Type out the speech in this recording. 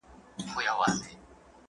تنورونه له اسمانه را اوریږي `